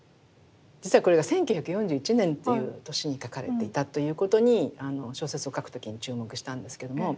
実はこれが１９４１年という年に描かれていたということに小説を書く時に注目したんですけれども。